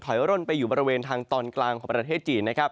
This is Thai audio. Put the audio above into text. ถอยอาร่นไปอยู่บริเวณทางตอนกลางของประเทศจีน